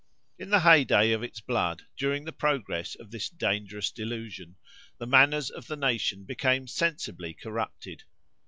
In the hey day of its blood, during the progress of this dangerous delusion, the manners of the nation became sensibly corrupted.